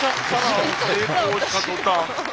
あの成功した途端。